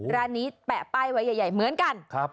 ร้านนี้แปะป้ายไว้ใหญ่เหมือนกัน